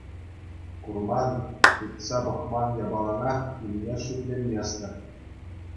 Курман, тытса пӑхман япаланах илме шикленместӗр.